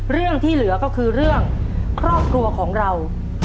เรื่องที่เหลือก็คือเรื่องครอบครัวของเรา